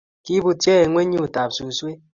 Kibutyo ingwenyutab suswek